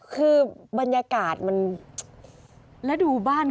คือบรรยากาศมัน